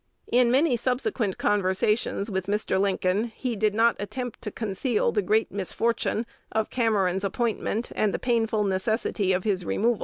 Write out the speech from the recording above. "In many subsequent conversations with Mr. Lincoln, he did not attempt to conceal the great misfortune of Cameron's appointment and the painful necessity of his removal."